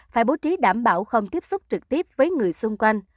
phải bố trí đảm bảo không tiếp xúc trực tiếp với người xung quanh